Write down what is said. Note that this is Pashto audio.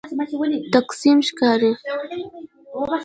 تقسیم ښکاري.